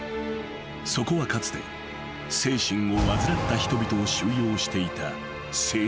［そこはかつて精神を患った人々を収容していた］